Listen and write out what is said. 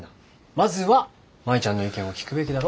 まずは舞ちゃんの意見を聞くべきだろ。